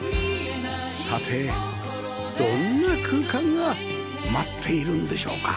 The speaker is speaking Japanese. さてどんな空間が待っているんでしょうか